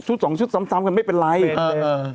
สองชุดซ้ำซ้ำกันไม่เป็นไรเออ